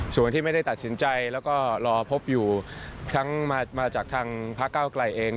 ส่วนที่ไม่ได้ตัดสินใจแล้วก็รอพบอยู่ทั้งมาจากทางพระเก้าไกลเอง